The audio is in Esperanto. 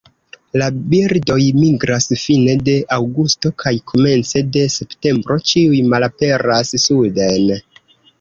La birdoj migras fine de aŭgusto kaj komence de septembro ĉiuj malaperas suden.